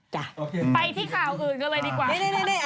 ไปที่ข่าวอื่นกันเลยดีกว่า